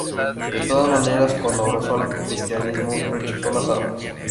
De todas maneras, cuando abrazó el cristianismo, rechazó las armas.